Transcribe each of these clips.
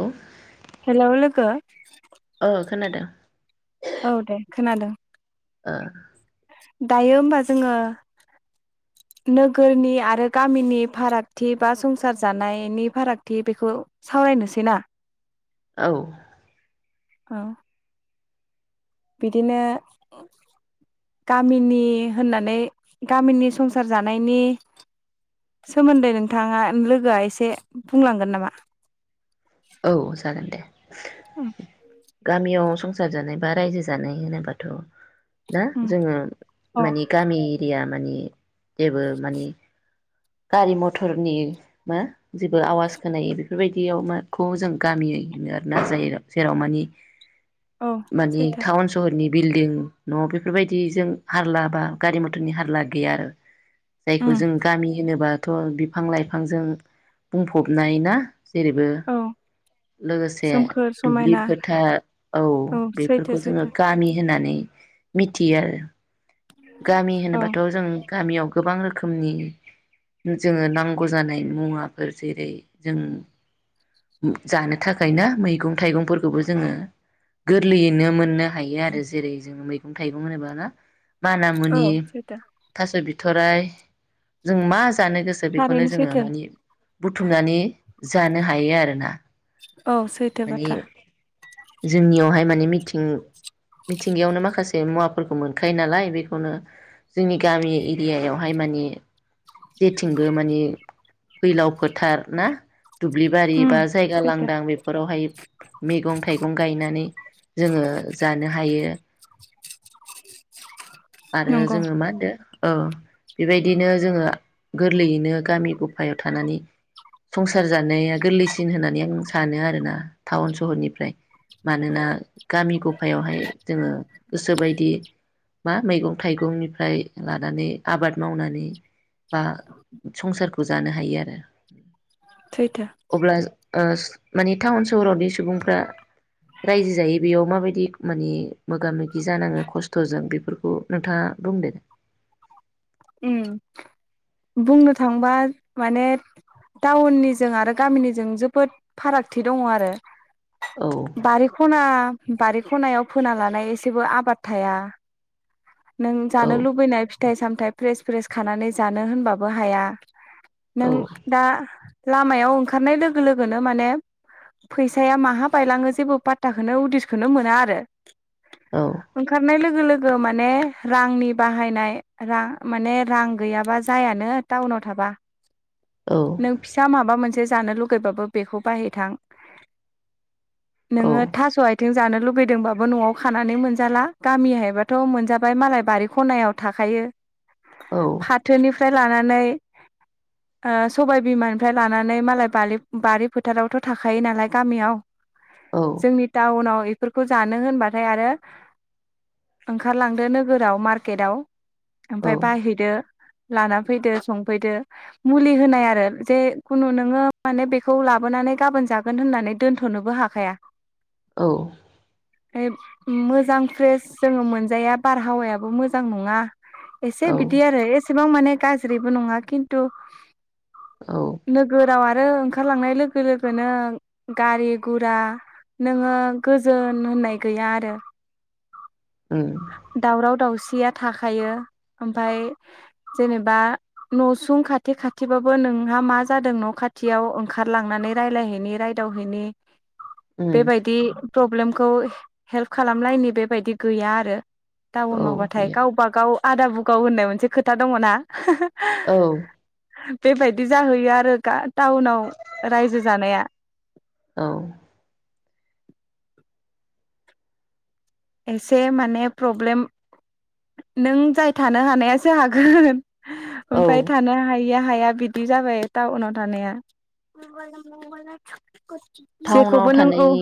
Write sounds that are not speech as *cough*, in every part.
औे। हेलौ लोगो। खोनादों औ दे खोनादों। ओ। दायो होमबा जोङो नोगोरनि आरो गामिनि फारागथि बा संसार जानायनि फारागथि बेखौ सावरायनोसै ना। औ। औ। बिदिनो गामिनि होननानै गामिनि संसार जानायनि सोमोन्दै नोंथाङा लोगोआ एसे बुंलांगोन नामा? औ जागोन दे। उम। गामियाव संसार जानाय बा रायजो जानाय होनोबाथ' ना उम जोङो अ मानि गामि एरिया मानि जेबो मानि गारि मथरनि मा जेबो आवाज खोनायो बेफोरबायदियाव मा खौ जों गामियै ओनो आरो ना जायो जेराव मानि औ मानि सैथो थाउन सहरनि बिल्डिं न' बेफोरबायदिजों हारला बा गारि मथरनि हारला गैया आरो जायखौ उम जों गामि होनोबा थ' बिफां लाइफांजों बुंफबनाय ना? जेरैबो औ लोगोसे सोमखोर दुब्लि समायना फोथार औ सैथो बेफोरखौ जोङो सैथो गामि होननानै मिथियो आरो गामि औ होनोबाथ' जों गामियाव गोबां रोखोमनि जोङो नांगौ जानाय मुवाफोर जेरै जों जानो थाखायना मैगं थाइगंफोरखौबो जोङो गोरलैयैनो मोननो हायो आरो। जेरै जों मै गौ थाइगं होनोबा ना माना औ मुनि सैथो थास' बिथ थ'राइ जों मा जानो गोसो बेखौनो थारैनो जोङो सैथो माने बुथुमनानै जानो हायो आरो ना। औ सैथो बाथ्रा। जोंनियावहाय माने मिथिं मिथिंगायावनो माखासे मुवाफोरखौ मोनखायो नालाय। बेखौनो जोंनि गामि एरियायावहाय माने जेथिंबो माने फैलाव फोथार ना? दुब्लिबारि उम बा जायगा सैथो लांदां बेफोरावहाय मैगं थाइगं गायनानै जोङो जानो हायो। आरो नंगौ जोङो मा होनदो? ओ बेबायदिनो जोङो गोरलैयैनो गामि गफायाव थानानै संसार जानाया गोरलैसिन होननानै आं सानो आरो ना टाउन सहरनिफ्राय। मानोना गामि गफायावहाय जोङो गोसोबायदि मा? मैगं थाइगंनिफ्राय लानानै आबाद मावनानै बा संसारखौ जानो हायो आरो सैथो अब्ला ओस माने टाउन सहरावदि सुबुंफ्रा रायजो जायो बेयाव माबायदि माने मोगा मोगि जानाङो खस्थ'जों बे फोरखौ नोंथाङा बुंदो। उम बुंनो थांबा माने टाउननिजों आरो गामिनिजों जोबोद फारागथि दङ आरो। औ बारिख'ना बारि खनायाव फोना लानाय एसेबो आबाद थाया। नों औ जानो लुबैनाय फिथाइ सामथाइ फ्रेस फ्रेस खानानै जानो होनबाबो हाया। नों औ दा लामायाव ओंखारनाय लोगो लोगोनो माने फैसाया माहा बायलाङो जेबो पात्ताखौनो उदिसखौनो मोना आरो। औ ओंखारनाय लो गो लोगो माने रांनि बाहायनाय रां माने रां गैयाबा जायानो टाउनाव थाबा। औ नों फिसा माबा मोनसे जानो लुुबैबाबो बेखौ बाहायथां औ नोङो थास' आथिं जानो लुुबैदोंबाबो न'आव खानानै मोनजाला गामिहायबाथ' मोनजाबाय मालाय बारि खनायाव थाखायो। औ फाथोनि फ्राय लानानै ओ सबायबिमानिफ्राय लानानै मालाय बालि बारि फोथारावथ' थाखायो नालाय गामियाव। औ जोंनि टाउनाव बेफोरखौ जानो होनबाथाय आरो ओंखारलांदो नोगोराव मार्केटाव। औ ओमफ्राय बायहैदो। लाना फैदो संफैदो मुलि होनाय आरो जे खुनु नोङो माने बेखौ लाबोनानै गाबोन जागोन होननानै दोन्थ'नोबो हाखाया। औ मोजां फ्रेस जोङो मोनजाया बारहावायाबो मोजां नङा। एसे औ बिदि आरो एसे बां माने गाज्रिबो नङा खिन्थु औ नोगोराव आरो ओंखारलांनाय लोगो लोगोनो गारि गुरा नोङो गोजोन होननाय गैया आरो। उम दावराव दाव सिया थाखायो ओमफाय जेनेबा न'सुं खाथि खाथिबाबो नोंहा मा जादों न' खाथियाव ओंखारलांनानै रायलायहैनि रायदावहैनि उम बेबायदि प्रब्लेमखौ हेल्प खालामलायनि बेबायदि गैया आरो औ टाउनावबाथाय गैया गावबा गाव आदा बुकाव होननाय मोनसे खोथा दङ ना? औ बेबायदि जाहैयो आ रो *unintelligible* टाउनाव रायजो जानाया। औ एसे माने प्रब्लेम नों जाय थानो हानायासो हागोन औ ओमफफ्राय थानो हायो गैया हाया बिदि जाबाय टाउनाव थानाया टाउनाव जेखौबो नोंगौ थानायनि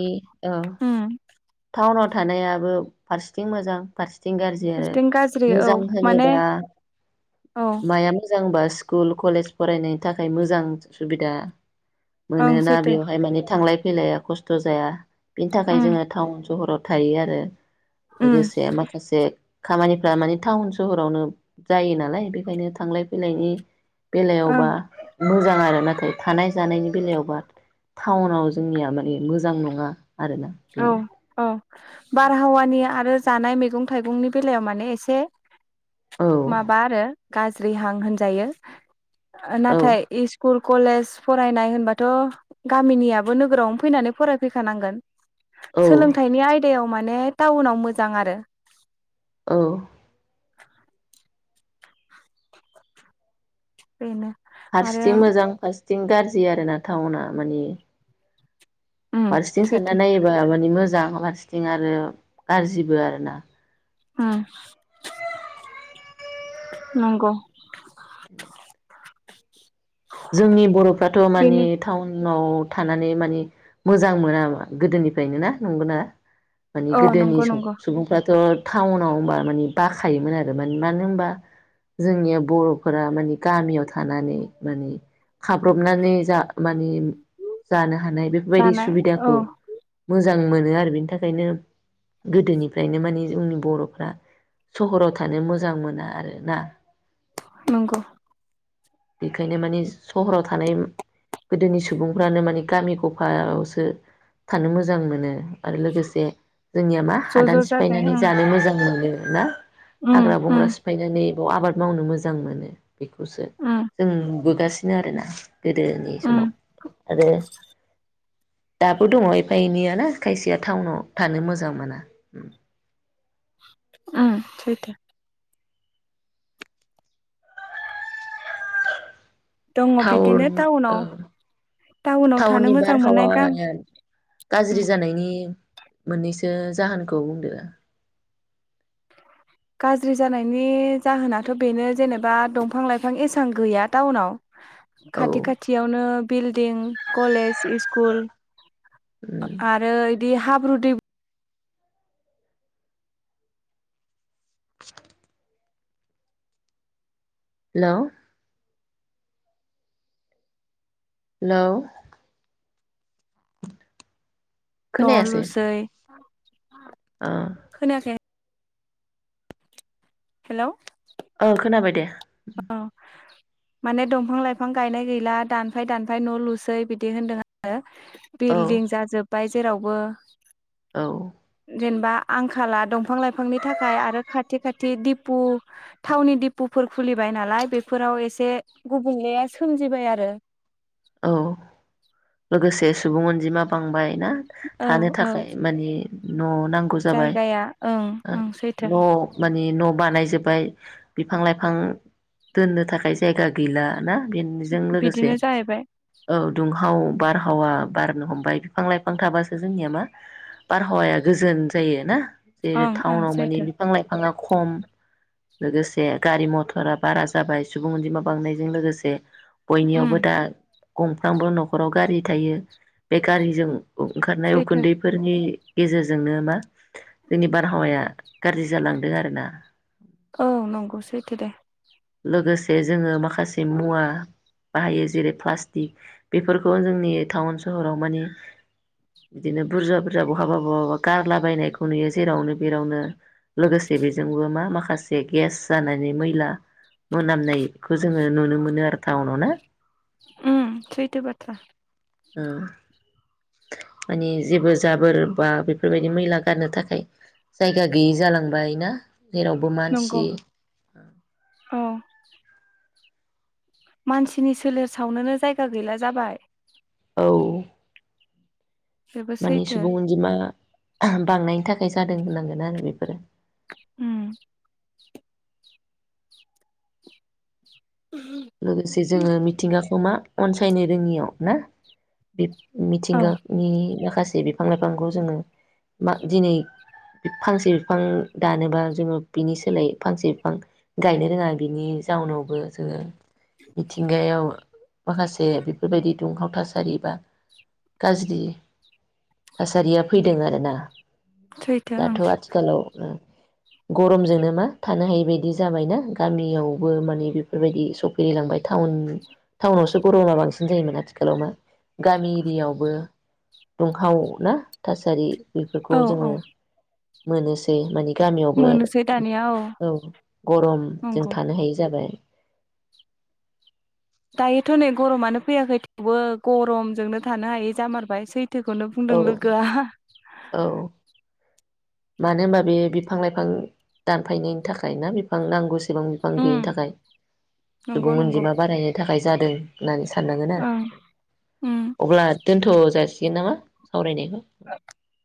औ उम टाउनाव थानायाबो फारसेथिं मोजां फारसेथिं गाज्रि आरो फारसेथिं गाज्रि औ मोजां माने होनोबा औ माया मोजांबा स्कुल कलेज फरायनायनि थाखाय मोजां सुबिदा ओं मोनोना सैथो बेवहाय माने थांलाय खेलाया खस्थ' जाया बिनि थाखाय उम जोङो टाउन सहराव थायो आरो उम लोगोसे माखासे खामानिफ्रा माने टाउन सहरावनो जायो नालाय बेखायनो थांलाय फैलायनि ओं बेलायावबा मोजां आरो नाथाय थानाय जानायनि बेलायावबा टाउनाव जोंनिया माने मोजां नङा आरोना औ बेनो औ बारहावानि आरो जानाय मैगं थाइगंनि बेलायाव माने एसे औ माबा आरो गाज्रि स्रिहां होनजायो औ नाथाय इस्कुल कलेज फरायनाय होनबाथ' गामिनियाबो नोगोरावनो फैनानै फरायफैखानांगोन औ सोलोंथाइनि आयदायाव मानि मे टाउनाव मोजां आरो औ बिनोे हारसिथिं मोजां फार बिथिं गाज्रि आरोना टाउना मानिे उम फारसेथिं सानना सैथो नायोबा माने मोजां मोजां लास्टिं आरो गाज्रिबो आरोना ओम नंगौ *inaudible* जोंनि बर'फ्राथ' माने बेनो टाउन फाव थानानै मानिे मोजां मोनामा गोदोनिफ्रायनो ना नंगौना माने औ गोदोनि नंगौ नंगौ सुबुंफ्राथ' टाउनाव होनोमबा मानि बाखायोमोन आरो म मानो होनबा जोंनिया बर'फोरा मानि गामियाव थानानै माने खाब्रबनानै जा माने जानो हानाय बेफोरबायदि जानाय औ सुबिदाखौ मो मोजां मोनो आरो बेनि थाखायनो गोदोनिफ्रायनो माने जोंनि बर'फ्रा सहराव थानो मोजां मोना आर ना नंगौ बेखायनो माने सहराव थानाय गोदोनि सुबुंफ्रानो माने गामि गफायावसो थानो मोजां मोनो आरो लोगोसे जोंनिया मा ज' हादान ज' जाजाय सिफायनानै ओं जानो मोजां मोनो ना उम हाग्रा बंग्रा उम सिफायनानै बयाव आबाद मावनो मोजां मोनो बेखौसो उम नुबोगासिनो आरो ना गोदोनि समाव उम आरो दाबो दङ एफा एनैय ना खायसेया टाउनाव थानो मोजां मोना उम सैथो दङ टाउन बिदिनो टाउनाव टाउनाव थानो टाउननि मोजां मोननाय गामि बारहावाया उम गाज्रि जानायनि मोननैसो जाहोनखौ बुंदो गाज्रि जानायनि जाहोनाथ' बेनो जेनेबा दंफां लाइफां एसबां गैया टाउनाव औ खाथि खाथियावनो बिल्डिं कलेज स्कुल उम आरो दे हाब्रुदै *inaudible* हेल' हेलौ *inaudible* न' खोनायासै लुसै ओ खोनायाखै हेल' औ खोनाबाय दे माने दंफां लाइफां गायनाय गैला दानफाय दानफाय न' लुसै बिदि होनदों आरोङ औ बिल्डिं जाजोब्बाय जेरावबो औ जेनेबा आंखाला दंफां लाइफांनि थाखाय आरो खाथि खाथि दिपु थावनि दिपुफोर खुलिबाय नालाय बेफोराव एसे गुबुंलेाया सोमजिबाय आरो औ लोगोसे सुबुं अनजिमा बांबाय ना औ थानो औ थाखाय माने न' नांगौ जाबाय जायगाया ओं ओं सैथो न' मानि न' बानाय जोबबाय बिफां लाइफां दोननो थाखाय जायगा गैला ना? बेजों लोगोसे बिदिनो जाहैबाय औ दुंहाव बारहावा बारनो हमबाय बिफां लाइफां थाबासो जोंनिया मा बारहावाया गोजोन जायो ना। जेरै ओं ओं टाउनाव माने सैथो बिफां लाइफाङा खम लोगोसे गारि मथरा बारा जाबाय सुबुं अनजिमा बांनायजों लोगोसे बयनियावबो उम दा गंफ्रामबो नखराव गारि थायो। बे गारिजों ओंखारनाय सैथो उखुनदैफोरनि गेजेरजोंनो मा जोंनि बारहावाया गाज्रि जालांदों आरो ना। औ नंगौ सैथो दे। लोगोसे जोङो माखासे मुवा बाहायो जेरै प्लास्टिक बेफोरखौ जोंनि टाउन सहराव माने बिदिनो बुरजा बुरजा बहाबा बहाबा गारलाबायनायखौ नुयो जेरावनो बेेरावनो लोगोसे बेजोंबो मा माखासे गेस जानानै मैला मोनामनायखौ जोङो नुनो मोनो आरो टाउनाव ना। उम सैथो बाथ्रा। ओ माने जेबो जाबोर बा बेफोरबायदि मैला गारनो थाखाय जायगा गैयि जालांबाय ना। जेरावबो मानसि नंगौ औ मानसिनि सोलेर सावनोनो जायगा गैला जाबाय। औ। बेबो माने सैथो सुबुं अनजिमा बांनायनि थाखाय जादों होननांगोन आरो बेफोरो। उम्म। लोगोसे जोङो मिथिंगाखौ मा अनसायनो रोङियाव ना बे औ मिथिंगानि खासे बिफां लाइफांखौ जोङो मा दिनै फांसे बिफां दानोबा जोङो बिनि सोलाय फांसे बिफां गायनो रोङा बिनि जाउनावबो जोङो मिथिंगायाव माखासे बेफोरबायदि दुंहाव थासारि बा गाज्रि थासारिया फैदों आरोना। सैथो दाथ' ओं आथिखालाव गरमजोंनो मा थानो हायो बायदि जाबायना गामियावबो माने बेफोरबायदि स गेलेलांबाय टाउन टाउनावसो गरमा बांसिन जायोमोन आथिखालाव मा गामि एरियायावबो दुंहाव ना थासारि बेफोरखौ औ जोङो औ मोनोसै मानि गामियावबो मोनोसै दानिया औ गरम जों नंगौ थानो हायि जाबाय। दायोथ' नै गरमानो फैयाखै थेवबो गरमजोंनो थानो हायै जामारबाय सै थोखौनो औ बुंदों लोगोआ। औ मानो होनबा बे बिफां लाइफां दानफायनायनि थाखाय ना बिफां नांगौ सेबां बिफां गैयिनि उम थाखाय नंगौ सुबुं नंगौ अनजिमा बारायनो थाखाय जादों होननानै साननांगोन आरो ओं उम अब्ला दोनथ' जासिगोन नामा? सावरायनायखौ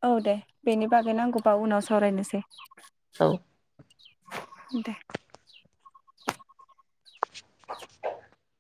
औ दे बेनि बागै नांगौ बाव उनाव सावरायनोसै औ दे *inaudible*